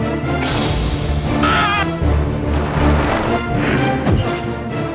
tidak ada yang bisa dikawal